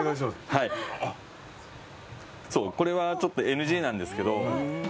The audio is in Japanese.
これはちょっとＮＧなんですけど。